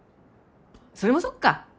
それもそっか。